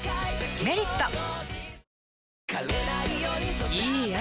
「メリット」いい汗。